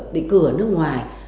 định cư ở nước ngoài